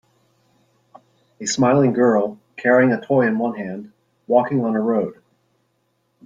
A smiling girl, carrying a toy in one hand, walking on a road.